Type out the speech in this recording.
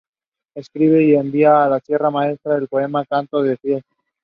Try clearing your cache